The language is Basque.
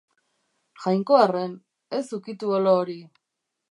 Jainkoarren, ez ukitu olo hori!